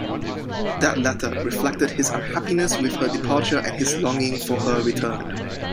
That letter reflected his unhappiness with her departure and his longing for her return.